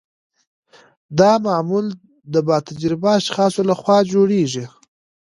دا معمولا د با تجربه اشخاصو لخوا جوړیږي.